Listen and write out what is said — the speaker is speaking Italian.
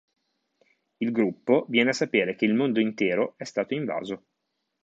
Il gruppo viene a sapere che il mondo intero è stato invaso.